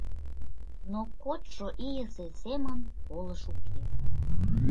Но кодшо ийысе семын полыш уке.